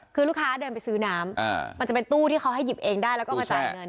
คือลูกค้าเดินไปซื้อน้ำมันจะเป็นตู้ที่เขาให้หยิบเองได้แล้วก็มาจ่ายเงิน